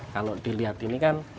kalau dilihat ini kan